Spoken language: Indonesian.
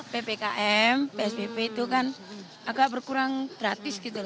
ppkm psbb itu kan agak berkurang gratis gitu loh